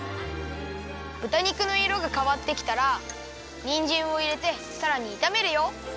ぶた肉のいろがかわってきたらにんじんをいれてさらにいためるよ。